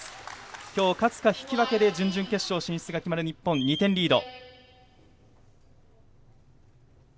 今日、勝つか引き分けで準々決勝進出が決まる日本２点リード。